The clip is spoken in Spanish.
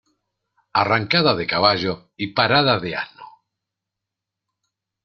Arrancada de caballo y parada de asno.